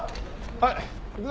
はい。